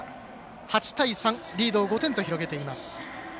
８対３、リードを５点と広げています。